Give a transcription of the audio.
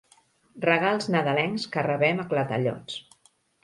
Regals nadalencs que rebem a clatellots.